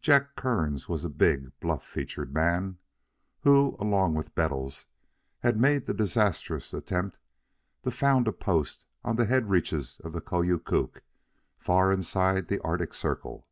Jack Kearns was a big, bluff featured man, who, along with Bettles, had made the disastrous attempt to found a post on the head reaches of the Koyokuk, far inside the Arctic Circle.